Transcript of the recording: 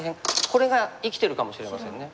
これが生きてるかもしれませんね。